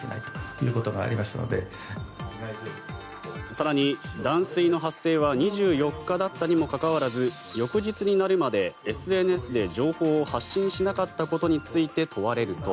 更に断水の発生は２４日だったにもかかわらず翌日になるまでＳＮＳで情報を発信しなかったことについて問われると。